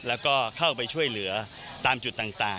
แล้วก็เข้าไปช่วยเหลือตามจุดต่าง